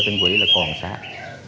chú sơn quỷ là còn sát